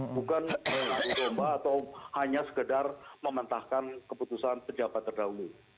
bukan mencoba atau hanya sekedar mementahkan keputusan pejabat terdahulu